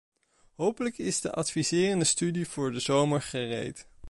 Hopelijk is de adviserende studie voor de zomer gereed.